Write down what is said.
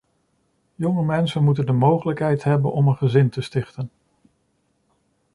Jonge mensen moeten de mogelijkheid hebben om een gezin te stichten.